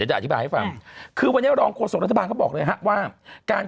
จะอธิบายให้ฟังคือวันนี้รองโฆษกรัฐบาลเขาบอกเลยฮะว่าการ